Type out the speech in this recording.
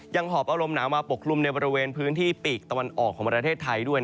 หอบเอาลมหนาวมาปกคลุมในบริเวณพื้นที่ปีกตะวันออกของประเทศไทยด้วย